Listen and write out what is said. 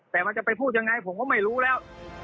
แต่มันจะไปพูดยังไงผมก็ไม่รู้แล้ว